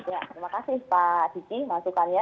ya terima kasih pak aditya maksudannya